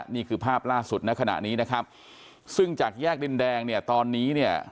นี่คือภาพล่าสุดในขณะนี้นะครับซึ่งจากแยกดินแดงเนี่ยตอนนี้เนี่ย